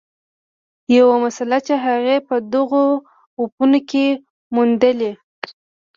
یوه مسله چې هغې په دغو اپونو کې موندلې